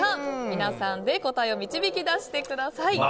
皆さんで、答えを導き出してください。